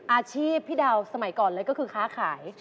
อาชีพพี่ดาวสมัยก่อนเลยก็คือค้าขาย